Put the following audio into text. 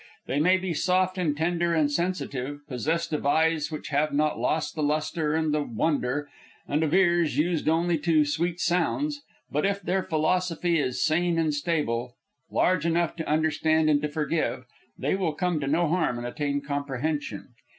They may be soft and tender and sensitive, possessed of eyes which have not lost the lustre and the wonder, and of ears used only to sweet sounds; but if their philosophy is sane and stable, large enough to understand and to forgive, they will come to no harm and attain comprehension.